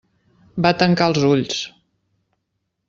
Va tancar els ulls.